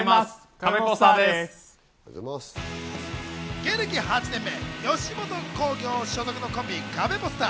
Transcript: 芸歴８年目、吉本興業所属のコンビ、カベポスター。